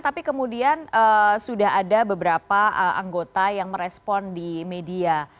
tapi kemudian sudah ada beberapa anggota yang merespon di media